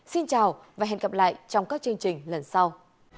xin chào và hẹn gặp lại trong các chương trình lần sau